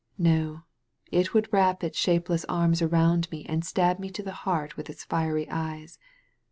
No, it would wrap its shape less arms around me and stab me to the heart with its fiery ^es.